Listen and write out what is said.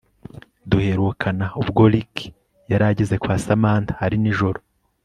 Duherukana ubwo Ricky yari ageze kwa Samantha ari nijoro